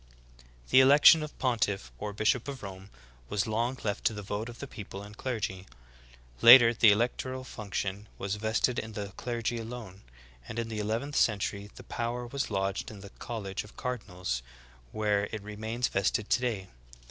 9. The election of pontiff, or bishop of Rom.e, was long left to the vote of the people and clergy; later the electoral function was vested in the clergy alone ; and in the eleventh century the power was lodged in the college of cardinals, where it remains vested today.